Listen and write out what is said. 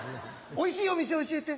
おいしいお店教えて。